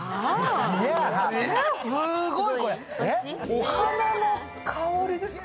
お花の香りですか？